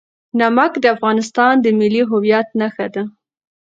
نمک د افغانستان د ملي هویت نښه ده.